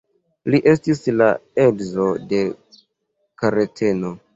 Li estis la edzo de Kareteno.